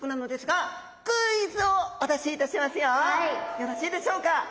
よろしいでしょうか？